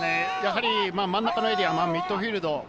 真ん中のエリア、ミッドフィールド。